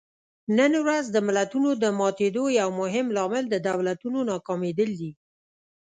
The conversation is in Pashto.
نن ورځ د ملتونو د ماتېدو یو مهم لامل د دولتونو ناکامېدل دي.